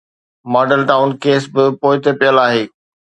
Model Town ڪيس به پوئتي پيل آهي.